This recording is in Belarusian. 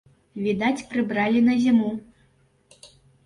Відаць, прыбралі на зіму.